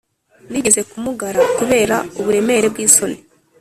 nigeze kumugara kubera uburemere bw'isoni